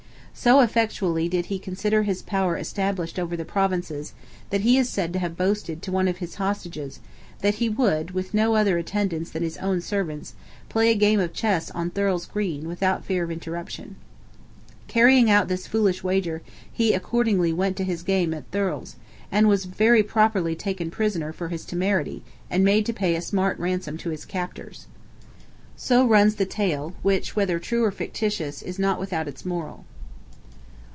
So effectually did he consider his power established over the provinces, that he is said to have boasted to one of his hostages, that he would, with no other attendants than his own servants, play a game of chess on Thurles Green, without fear of interruption. Carrying out this foolish wager, he accordingly went to his game at Thurles, and was very properly taken prisoner for his temerity, and made to pay a smart ransom to his captors. So runs the tale, which, whether true or fictitious, is not without its moral.